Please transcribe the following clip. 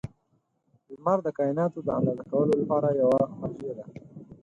• لمر د کایناتو د اندازه کولو لپاره یوه مرجع ده.